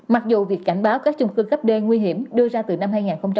mặc dù việc cảnh báo các chung cư gấp đê nguy hiểm đưa ra từ năm hai nghìn một mươi